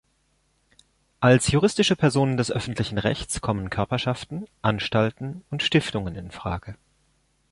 Als juristische Personen des öffentlichen Rechts kommen Körperschaften, Anstalten und Stiftungen in Frage.